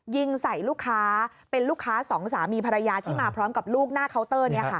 ยิงใส่ลูกค้าเป็นลูกค้าสองสามีภรรยาที่มาพร้อมกับลูกหน้าเคาน์เตอร์